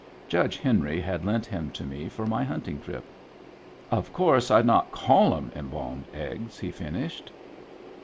Judge Henry had lent him to me for my hunting trip. " Of course Fd not call 'em embalmed eggs," he finished.